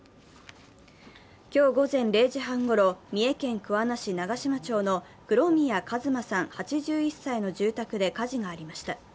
今日午前０時半ごろ、三重県桑名市長島町の黒宮一馬さん８１歳の住宅で火事がありました。